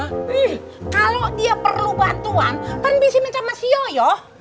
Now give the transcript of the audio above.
ih kalau dia perlu bantuan kan bisiknya sama si yoyo